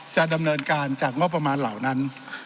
จะดำเนินการจากงบประมาณเหล่านั้น